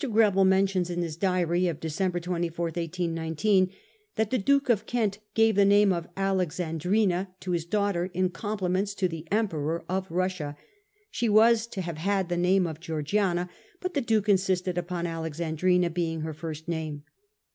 Greville mentions in his diary of December 24, 1819, that ' the Duke of Kent gave the name of Alexandrina to his daughter in compliment to the Emperor of Russia. She was to have had the name of Georgiana, but the duke insisted upon Alexandrina being her first name.